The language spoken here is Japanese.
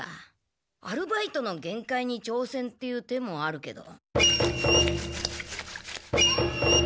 アルバイトの限界に挑戦っていう手もあるけど。